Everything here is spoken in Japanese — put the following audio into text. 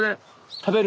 食べる。